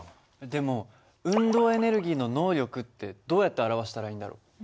でも運動エネルギーの能力ってどうやって表したらいいんだろう？